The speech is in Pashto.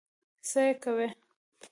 څه یې کوې؟